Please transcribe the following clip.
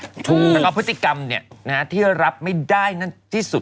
แล้วก็พฤติกรรมที่รับไม่ได้นั้นที่สุด